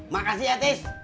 makasih ya tis